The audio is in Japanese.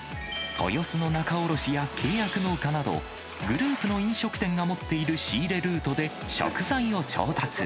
豊洲の仲卸や契約農家など、グループの飲食店が持っている仕入れルートで食材を調達。